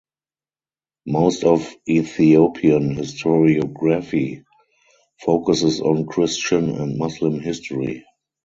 Most of Ethiopian historiography focuses on Christian and Muslim history.